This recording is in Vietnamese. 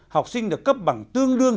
học sinh được cấp bằng tương đương